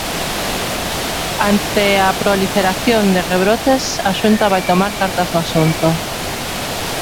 Ante a proliferación de rebrotes, a Xunta vai tomar cartas no asunto.